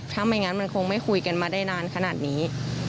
ถ้าไม่งั้นมันคงไม่คุยกันมาได้นานขนาดนี้